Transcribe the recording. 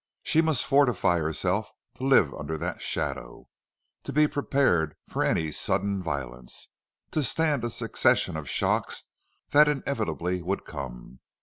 She must fortify herself to live under that shadow, to be prepared for any sudden violence, to stand a succession of shocks that inevitably would come.